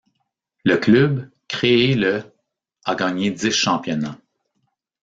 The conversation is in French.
Le club, créé le a gagné dix championnats.